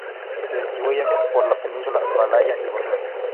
Se distribuyen por la península malaya y Borneo.